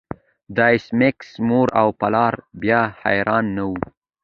د ایس میکس مور او پلار بیا حیران نه وو